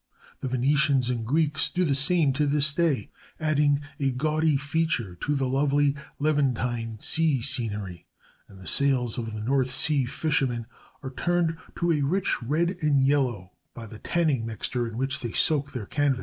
The Venetians and Greeks do the same to this day, adding a gaudy feature to the lovely Levantine sea scenery; and the sails of the North Sea fishermen are turned to a rich red and yellow by the tanning mixture in which they soak their canvas.